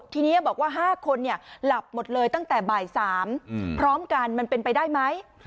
ทีนี้บอกว่า๕คนหลับหมดเลยตั้งแต่บ่าย๓พร้อมกันมันเป็นไปได้ไหม